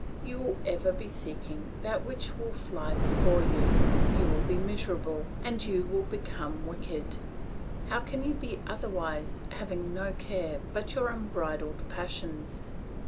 You will ever be seeking that which will fly before you; you will be miserable and you will become wicked. How can you be otherwise, having no care but your unbridled passions!